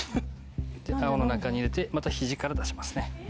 青の中に入れてまた肘から出しますね。